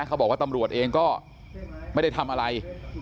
เขาบอกว่าตำรวจเองก็ไม่ได้ทำอะไร